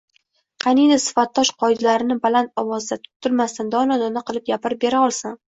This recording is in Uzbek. Qaniydi sifatdosh qoidalarini baland ovozda, tutilmasdan, dona-dona qilib gapirib Bera olsam